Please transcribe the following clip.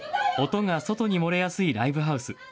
音が外に漏れやすいライブハウス。